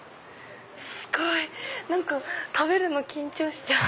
すごい！食べるの緊張しちゃう！